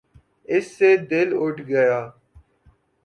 اس سے دل اٹھ گیا۔